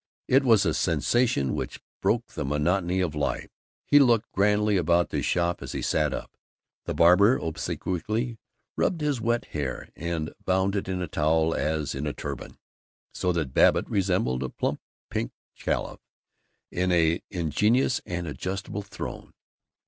It was a sensation which broke the monotony of life. He looked grandly about the shop as he sat up. The barber obsequiously rubbed his wet hair and bound it in a towel as in a turban, so that Babbitt resembled a plump pink calif on an ingenious and adjustable throne.